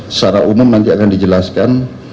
secara umum nanti akan dijelaskan